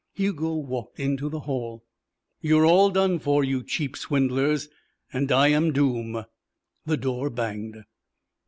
Hugo walked into the hall. "You're all done for you cheap swindlers. And I am doom." The door banged.